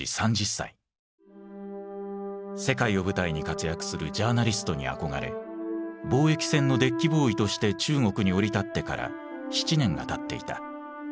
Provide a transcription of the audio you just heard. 世界を舞台に活躍するジャーナリストに憧れ貿易船のデッキボーイとして中国に降り立ってから７年がたっていた。